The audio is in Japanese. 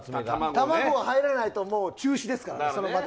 卵が入らないともう中止ですからね、その場で。